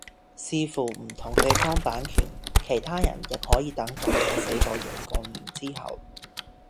視乎唔同地方版權其他人亦可以等作者死咗若干年之後